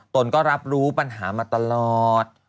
ตนก็รับรู้ปัญหามาตลอด